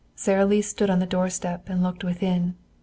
Sara Lee stood on the doorstep and looked within.